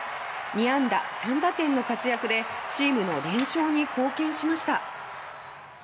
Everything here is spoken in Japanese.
２安打３打点の活躍でチームの連勝に貢献しました！